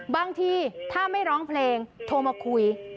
บางทีถ้าไม่ร้องเพลงโทรมาคุย